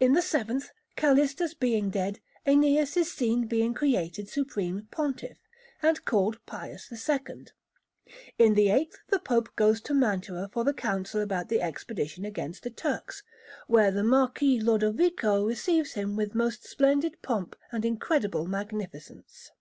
In the seventh, Calistus being dead, Æneas is seen being created Supreme Pontiff, and called Pius II. In the eighth the Pope goes to Mantua for the Council about the expedition against the Turks, where the Marquis Lodovico receives him with most splendid pomp and incredible magnificence.